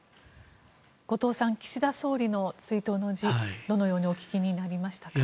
後藤さん、岸田総理の追悼の辞どのようにお聞きになりましたか。